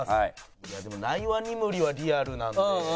でもナイワ・ニムリはリアルなんで。